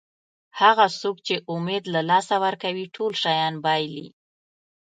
هغه څوک چې امید له لاسه ورکوي ټول شیان بایلي.